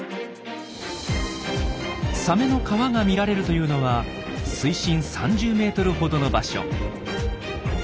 サメの川が見られるというのは水深３０ｍほどの場所。